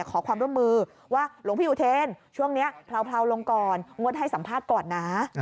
ขอความร่วมมือว่าหลวงพี่อุเทนช่วงนี้เผลาลงก่อนงดให้สัมภาษณ์ก่อนนะ